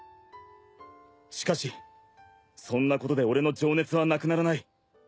しかしそんなことで俺の情熱はなくならない。